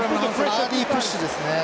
アーリープッシュですね。